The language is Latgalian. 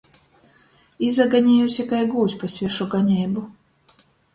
Izaganiejuse kai gūvs pa svešu ganeibu.